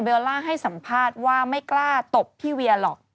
ล่าให้สัมภาษณ์ว่าไม่กล้าตบพี่เวียหรอก